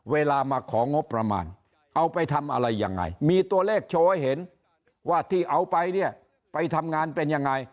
ว่าที่เอาไปเนี่ยไปทำงานเป็นยังไง